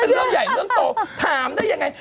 เรื่องใหญ่เรื่องโตถามได้ยังไง